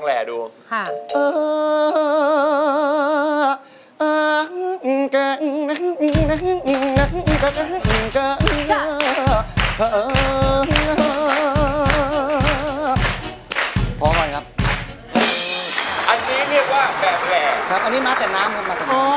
อันนี้มาจากน้ำครับ